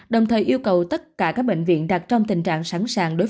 đồng thời yêu cầu tất cả các bệnh viện đặt trong tình trạng sẵn sàng